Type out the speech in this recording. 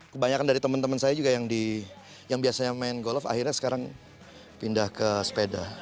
kebanyakan dari teman teman saya juga yang biasanya main golf akhirnya sekarang pindah ke sepeda